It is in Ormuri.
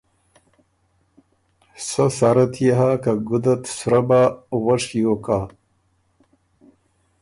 سۀ سرات يې ھۀ که ګُده ت سرۀ بۀ، وۀ شیو کَۀ